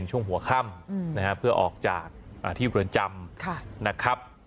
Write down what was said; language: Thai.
ในช่วงหัวข้ำเพื่อออกจากที่พุนแจม